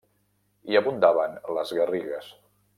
Hi abundaven les garrigues.